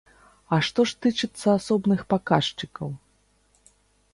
А што ж тычыцца асобных паказчыкаў?